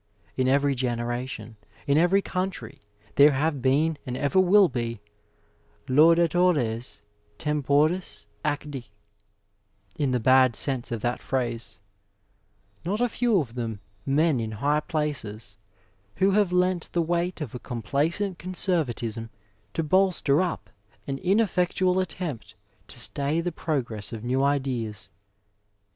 In every generation, in every country, there have been, and ever will be, laudatores temporis acti, in the bad sense of that phrase, not a few of them men in high places, who have lent the weight of a complacent conservatism to bolster up an ineffectual attempt to stay the progress of new ideas.